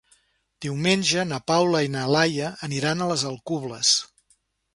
Diumenge na Paula i na Laia aniran a les Alcubles.